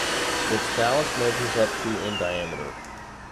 Its thallus measures up to in diameter.